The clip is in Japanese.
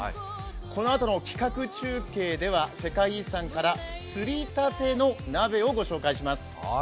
このあとの企画中継では世界遺産からすりたての鍋をご紹介します。